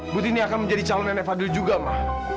putini akan menjadi calon nenek fadil juga ma